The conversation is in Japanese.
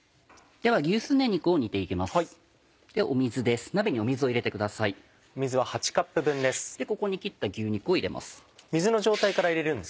でここに切った牛肉を入れます。